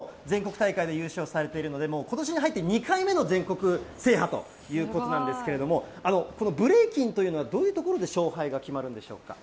ことしの３月にも全国大会で優勝されているので、もうことしに入って、２回目の全国制覇ということなんですけれども、このブレイキンというのはどういうところで勝敗が決まるんでしょ